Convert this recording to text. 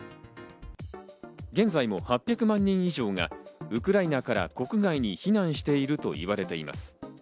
現在も８００万人以上がウクライナから国外に避難しているといわれています。